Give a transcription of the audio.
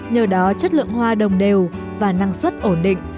nhờ đó chất lượng hoa đồng đều và năng suất ổn định